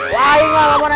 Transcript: wah ini gak apa apa